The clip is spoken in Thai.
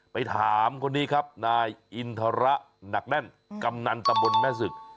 ไปถามคนนี้ครับนายอินทรหนักแน่นกำนันตำบลแม่ศึก